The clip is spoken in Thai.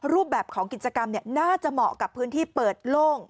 รูปแบบของกิจกรรมน่าจะเหมาะกับพื้นที่เปิดโล่ง